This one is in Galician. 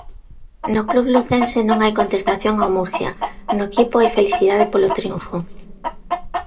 No club lucense non hai contestación ao Murcia, no equipo hai felicidade polo triunfo.